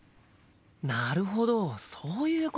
なるほどそういうことか。